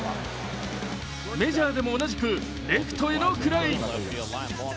メジャーでも同じくレフトへのフライ。